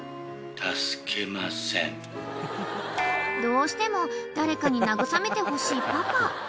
［どうしても誰かに慰めてほしいパパ］